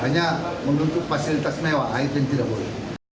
hanya menutup fasilitas mewah itu yang tidak boleh